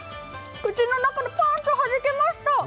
口の中でパンと弾けました。